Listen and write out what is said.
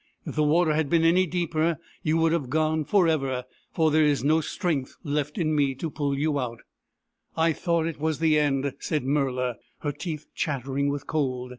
" If the water had been any deeper you would have gone for ever, for there is no strength left in me to pull you out." S.A.B. F 82 BOORAN. THE PELICAN " I thought it was the end," said Murla, her teeth chattering with cold.